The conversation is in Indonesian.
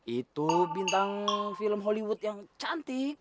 itu bintang film hollywood yang cantik